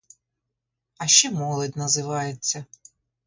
А ще молодь називається.